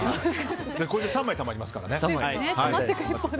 これで３枚たまりますから。